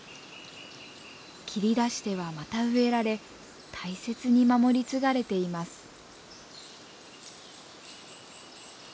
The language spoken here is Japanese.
切り出してはまた植えられ大切に守り継がれています。